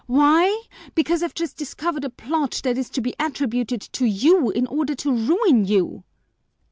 "Why! Because I've just discovered a plot that is to be attributed to you in order to ruin you."